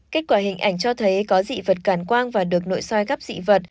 kết quả hình ảnh cho thấy có dị vật cản quang và được nội soi gấp dị vật